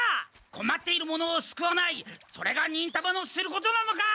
こまっている者をすくわないそれが忍たまのすることなのか！